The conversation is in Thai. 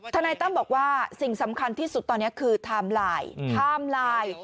นายตั้มบอกว่าสิ่งสำคัญที่สุดตอนนี้คือไทม์ไลน์ไทม์ไลน์